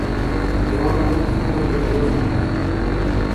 یونو مُتی کُویئکیڑے بوجون دا؟